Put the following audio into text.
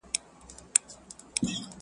چي مي جانان مجلس له چا سره کوینه.!